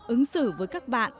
ứng xử với các bạn